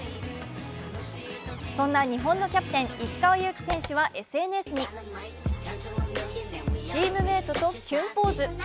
そんな日本のキャプテン・石川祐希選手はＳＮＳにチームメートとキュンポーズ。